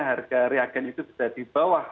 harga reagen itu bisa di bawah